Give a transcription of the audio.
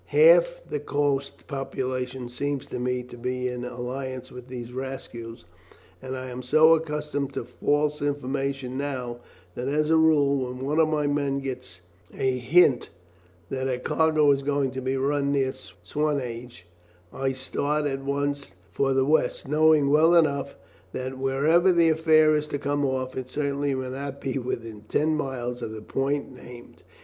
Half the coast population seem to me to be in alliance with these rascals, and I am so accustomed to false information now, that as a rule when one of my men gets a hint that a cargo is going to be run near Swanage I start at once for the west, knowing well enough that wherever the affair is to come off it certainly will not be within ten miles of the point named.